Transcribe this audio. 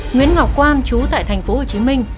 nguyễn ngọc quan trú tại thành phố hồ chí minh